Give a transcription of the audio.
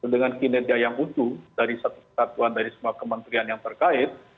dengan kinerja yang utuh dari satu kesatuan dari semua kementerian yang terkait